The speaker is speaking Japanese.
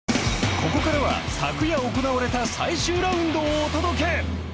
ここからは昨夜行われた最終ラウンドをお届け。